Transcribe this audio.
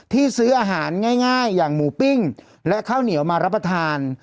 ซื้ออาหารง่ายอย่างหมูปิ้งและข้าวเหนียวมารับประทาน